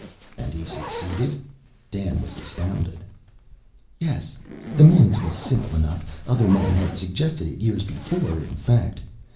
"And he succeeded?" Dan was astounded. "Yes. The means was simple enough: other men had suggested it years before, in fact.